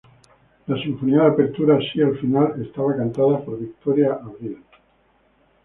La sintonía de apertura, "Si al final", estaba cantada por Victoria Abril.